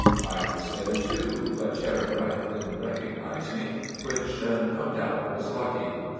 I was there, too, but Cherry Ripe didn't recognize me, which, no doubt, was lucky.